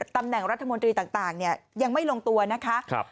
ตำแหน่งรัฐมนตรีต่างต่างเนี่ยยังไม่ลงตัวนะคะ